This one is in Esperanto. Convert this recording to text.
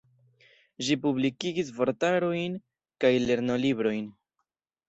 Ĝi publikigis vortarojn kaj lernolibrojn.